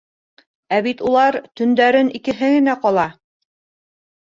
Ә бит улар төндәрен икеһе генә ҡала.